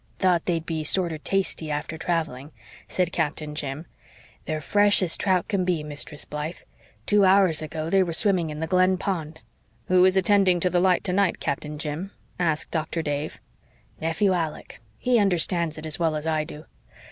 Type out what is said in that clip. "Thought they'd be sorter tasty after travelling," said Captain Jim. "They're fresh as trout can be, Mistress Blythe. Two hours ago they were swimming in the Glen Pond." "Who is attending to the light tonight, Captain Jim?" asked Doctor Dave. "Nephew Alec. He understands it as well as I do.